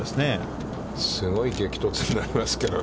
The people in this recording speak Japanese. すごい激突になりますけどね。